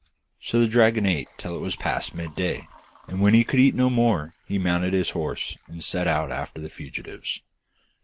So the dragon ate till it was past mid day, and when he could eat no more he mounted his horse and set out after the fugitives.